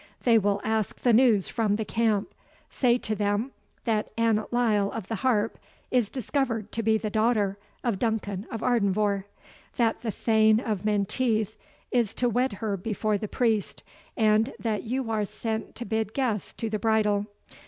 They will ask the news from the camp say to them that Annot Lyle of the Harp is discovered to be the daughter of Duncan of Ardenvohr; that the Thane of Menteith is to wed her before the priest; and that you are sent to bid guests to the bridal.